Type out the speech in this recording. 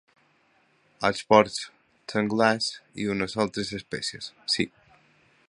Els porcs senglars i unes altres espècies, sí.